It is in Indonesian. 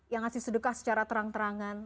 yang ngasih sedekah secara terang terangan